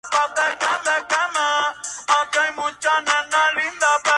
Un año más tarde se incorporó a la Asociación Artística Internacional de Roma.